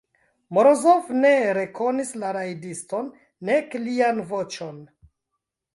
Morozov ne rekonis la rajdiston, nek lian voĉon.